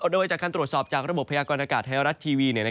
โดยจากการตรวจสอบจากระบบพยากรณากาศไทยรัฐทีวี